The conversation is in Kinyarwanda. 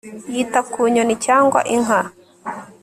Yita ku nyoni cyangwa inka